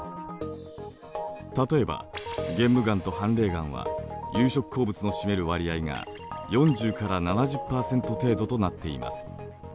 例えば玄武岩とはんれい岩は有色鉱物の占める割合が４０から７０％程度となっています。